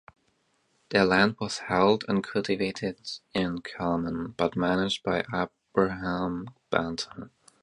Their land was held and cultivated in common, but managed by Abraham Banta.